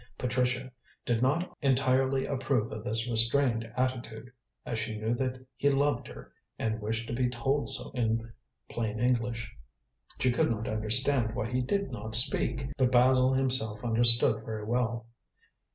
Patricia did not entirely approve of this restrained attitude, as she knew that he loved her, and wished to be told so in plain English. She could not understand why he did not speak. But Basil himself understood very well.